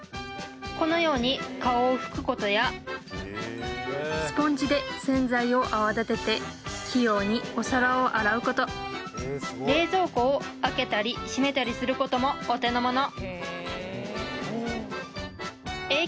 このように顔を拭くことやスポンジで洗剤を泡立てて器用にお皿を洗うこと冷蔵庫を開けたり閉めたりすることもお手のものえ